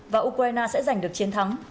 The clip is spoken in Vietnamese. và ukraine sẽ giành được chiến thắng